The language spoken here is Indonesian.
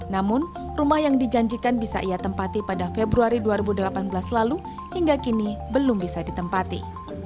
namun rumah yang dijanjikan bisa ia tempati pada februari dua ribu delapan belas lalu hingga kini belum bisa ditempati